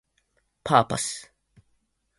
パーパス